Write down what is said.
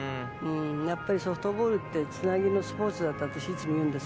ソフトボールってつなぎのスポーツだと私、いつも言うんです。